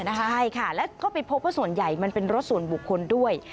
ใช่ค่ะแล้วก็ไปพบว่าส่วนใหญ่มันเป็นรถส่วนบุคคลด้วย